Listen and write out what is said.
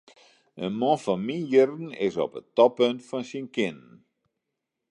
In man fan myn jierren is op it toppunt fan syn kinnen.